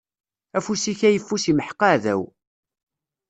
Afus-ik ayeffus imḥeq aɛdaw.